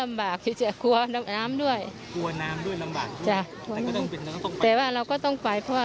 ๖๒มันยังไม่ถึงกว่านี้๖๒ไม่ถึงขนาดนี้ไม่